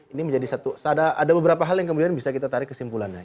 ini menjadi satu ada beberapa hal yang kemudian bisa kita tarik kesimpulannya